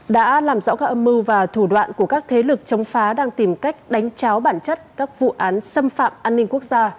đã làm rõ các âm mưu và thủ đoạn của các thế lực chống phá đang tìm cách đánh cháo bản chất các vụ án xâm phạm an ninh quốc gia